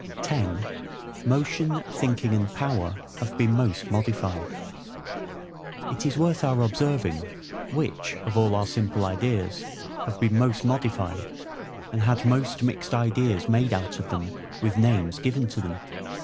10. Motion, Thinking, and Power have been most modified. It is worth our observing, which of all our simple ideas have been MOST modified, and had most mixed ideas made out of them, with names given to them.